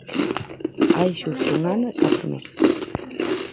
Hai xusto un ano e catro meses.